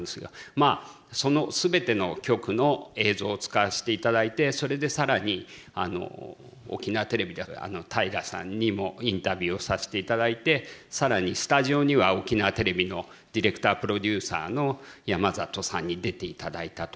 その全ての局の映像を使わしていただいてそれで更に沖縄テレビで平良さんにもインタビューをさせていただいて更にスタジオには沖縄テレビのディレクタープロデューサーの山里さんに出ていただいたと。